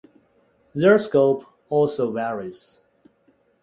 Their scope also varies.